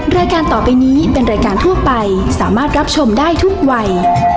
รายการต่อไปนี้เป็นรายการทั่วไปสามารถรับชมได้ทุกวัย